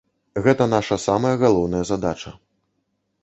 Гэта наша самая галоўная задача.